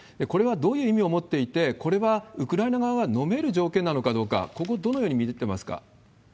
これはどういう意味を持っていて、これは、ウクライナ側はのめる条件なのかどうか、ここ、どのように見てますか？